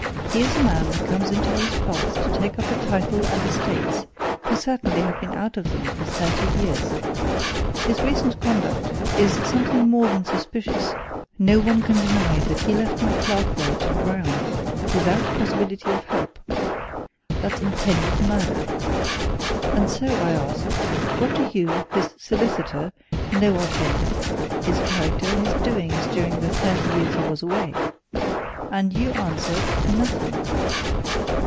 "Here's a man comes into these parts to take up a title and estates, who certainly had been out of them for thirty years. His recent conduct is something more than suspicious no one can deny that he left my clerk there to drown, without possibility of help! That's intended murder! And so I ask, What do you, his solicitor, know of him his character, his doings during the thirty years he was away? And you answer nothing!"